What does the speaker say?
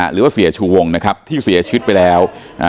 หรือว่าเสียชูวงนะครับที่เสียชีวิตไปแล้ว